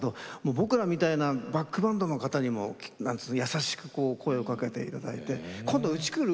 僕らみたいなバックバンドの方にも優しく声をかけていただいて今度、うち来る？